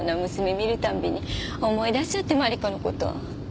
見るたびに思い出しちゃってマリコの事。